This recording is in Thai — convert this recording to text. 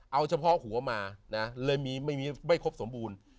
เอาเฉพาะหัวมานะเลยมีไม่ครบสมบูรณ์